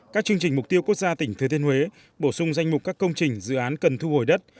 các chương trình mục tiêu quốc gia tỉnh thừa thiên huế bổ sung danh mục các công trình dự án cần thu hồi đất